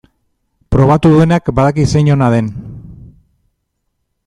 Probatu duenak badaki zein ona den.